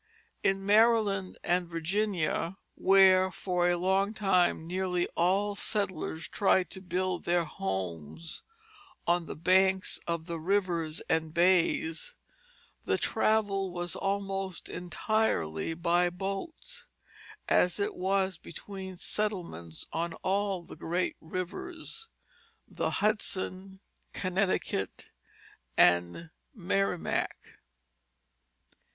In Maryland and Virginia, where for a long time nearly all settlers tried to build their homes on the banks of the rivers and bays, the travel was almost entirely by boats; as it was between settlements on all the great rivers, the Hudson, Connecticut, and Merrimac.